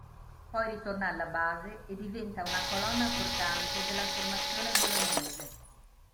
Poi ritorna alla base e diventa una colonna portante della formazione bolognese.